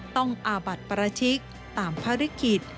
ต้องอาบัติประทิกตามพระลิขิต